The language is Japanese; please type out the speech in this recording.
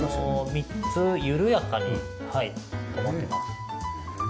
３つ緩やかにと思っています。